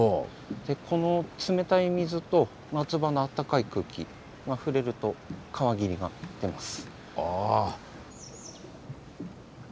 でこの冷たい水と夏場のあったかい空気が触れると川霧が出ます。